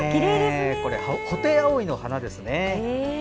これ、ホテイアオイの花ですね。